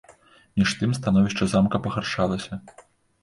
Між тым становішча замка пагаршалася.